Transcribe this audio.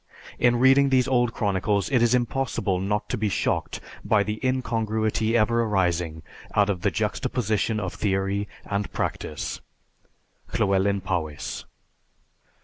In reading these old chronicles it is impossible not to be shocked by the incongruity ever arising out of the juxtaposition of theory and practice_. LLEWELYN POWYS.